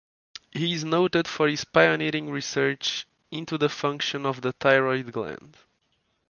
He is noted for his pioneering research into the function of the thyroid gland.